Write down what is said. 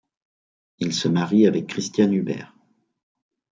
Il se marie avec Christiane Huber.